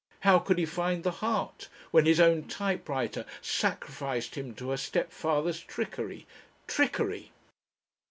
How could he find the heart? When his own typewriter sacrificed him to her stepfather's trickery? "Trickery!"